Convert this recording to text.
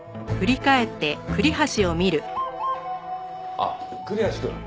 あっ栗橋くん。